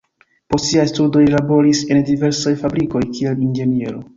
Post siaj studoj li laboris en diversaj fabrikoj kiel inĝeniero.